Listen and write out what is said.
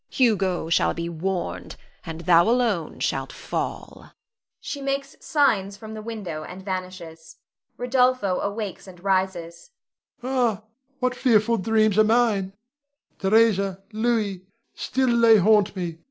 Hugo shall be warned, and thou alone shalt fall. [She makes signs from the window and vanishes. Rod. [awakes and rises]. Ah, what fearful dreams are mine! Theresa Louis still they haunt me!